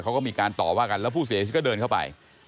เขาก็มีการต่อว่ากันแล้วผู้เสียชีวิตก็เดินเข้าไป